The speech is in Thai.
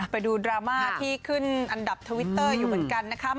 ไปดูดราม่าที่ขึ้นอันดับทวิตเตอร์อยู่เหมือนกันนะคะ